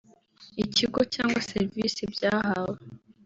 ikigo cyangwa serivise byahawe